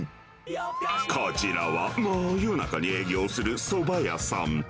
こちらは、真夜中に営業するそば屋さん。